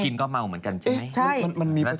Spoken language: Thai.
กินก็เม่าเหมือนกันใช่ไหมแล้วทำไมแพง